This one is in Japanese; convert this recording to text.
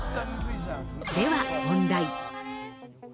では問題。